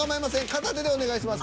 片手でお願いします。